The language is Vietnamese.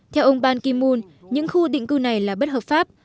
theo ông ban ki moon những khu định cư này là bất hợp pháp